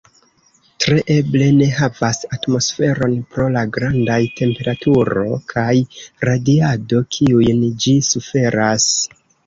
Tre eble ne havas atmosferon pro la grandaj temperaturo kaj radiado kiujn ĝi suferas.